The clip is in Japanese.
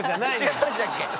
違いましたっけ？